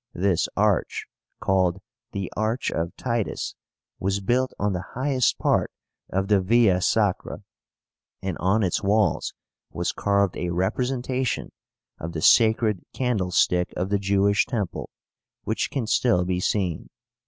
This arch, called the ARCH OF TITUS, was built on the highest part of the Via Sacra, and on its walls was carved a representation of the sacred candlestick of the Jewish temple, which can still be seen.